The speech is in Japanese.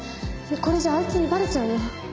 これじゃああいつにバレちゃうよ。